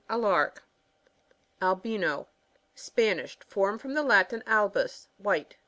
A lark. Albino. — Spanish, formed from the Latin albu8^ white.